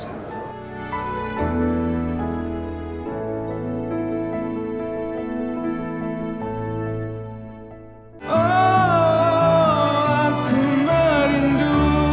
oh aku merindu